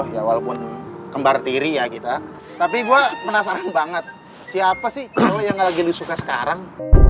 ya walaupun kembar tiri ya kita tapi gue penasaran banget siapa sih kalau yang lagi lu suka sekarang